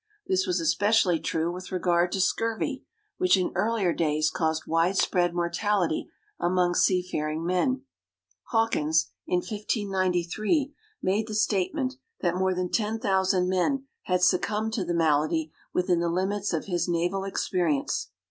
This was especially true with regard to scurvy, which in earlier days caused widespread mortality among seafaring men. Hawkins, in 1593, made the statement that more than ten thousand men had succumbed to the malady within the limits of his naval experience.